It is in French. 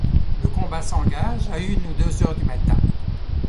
Le combat s'engage à une ou deux heures du matin.